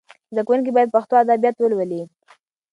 زده کونکي باید پښتو ادبیات ولولي.